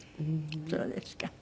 そうですか。